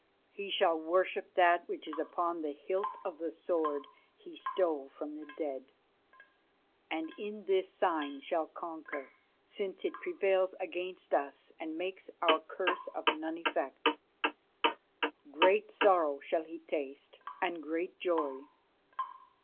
He shall worship that which is upon the hilt of the sword he stole from the dead, and in this sign shall conquer, since it prevails against us and makes our curse of none effect. Great sorrow shall he taste, and great joy.